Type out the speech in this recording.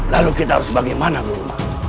lalu kita harus bagaimana rumah